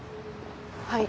はい。